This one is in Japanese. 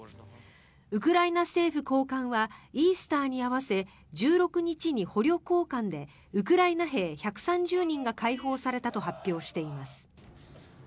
ウクライナ政府高官はイースターに合わせ１６日に捕虜交換でウクライナ兵１３０人が解放されたと発表しています。